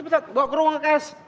bawa ke ruang uks